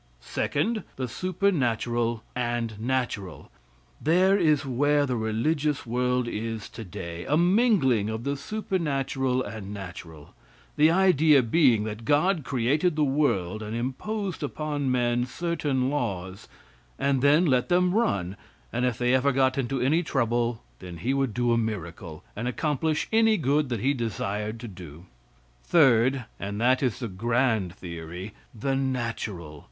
Second, the supernatural and natural. There is where the religious world is today a mingling of the supernatural and natural, the idea being that God created the world and imposed upon men certain laws, and then let them run, and if they ever got into any trouble then he would do a miracle, and accomplish any good that he desired to do. Third and that is the grand theory the natural.